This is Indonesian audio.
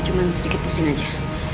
cuma sedikit pusing aja